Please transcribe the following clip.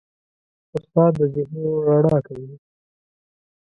استاد د ذهنونو رڼا کوي.